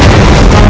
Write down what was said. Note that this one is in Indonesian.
aku akan menang